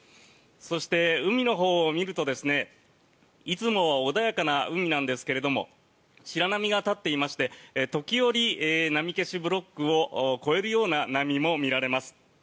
そして海のほうを見るといつもは穏やかな海なんですが白波が立っていまして時折、波消しブロックを越えるような波も見られます。